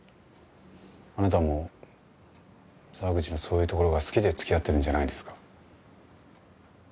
あなたも沢口のそういうところが好きで付き合ってるんじゃないですか？